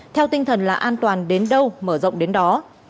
theo tinh thần là an toàn đến đâu mở rộng đến đó